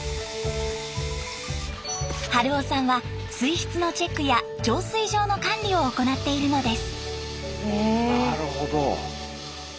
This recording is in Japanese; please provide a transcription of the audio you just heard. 春生さんは水質のチェックや浄水場の管理を行っているのです。